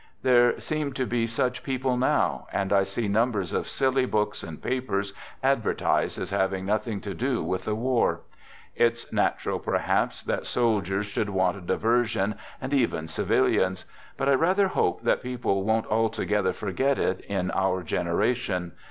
There seem to be such people now, and I see numbers of silly books and papers advertised as having nothing to do with the war. It's natural, perhaps, that sol diers should want a diversion and even civilians; but I rather hope that people won't altogether forget it in our generation.